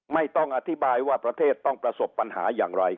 ไม่ต้องอธิบายว่าประเทศต้องประสบปัญหาอย่างไร